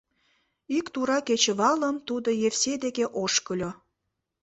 Ик тура кечывалым тудо Евсей деке ошкыльо.